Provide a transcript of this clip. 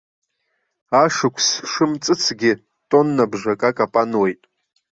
Ашықәс шымҵыцгьы, тоннабжак акапануеит.